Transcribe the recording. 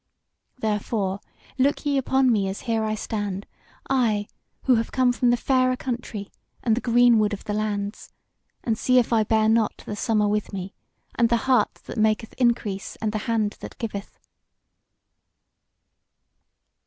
Therefore look ye upon me as here I stand, I who have come from the fairer country and the greenwood of the lands, and see if I bear not the summer with me, and the heart that maketh increase and the hand that giveth."